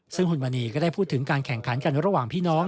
ซึ่งหุ่นมณีก็ได้พูดถึงการแข่งขันกันระหว่างพี่น้อง